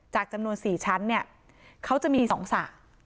จำนวน๔ชั้นเนี่ยเขาจะมี๒สระ